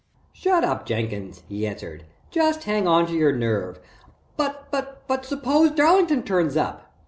"Shut up Jenkins," he answered. "Just hang on to your nerve " "But suppose Darlington turns up?"